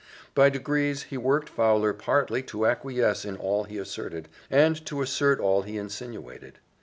By degrees he worked Fowler partly to acquiesce in all he asserted, and to assert all he insinuated.